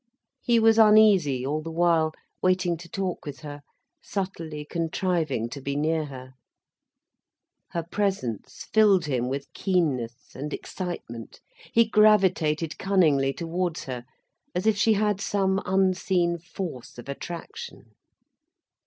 He was uneasy all the while, waiting to talk with her, subtly contriving to be near her. Her presence filled him with keenness and excitement, he gravitated cunningly towards her, as if she had some unseen force of attraction.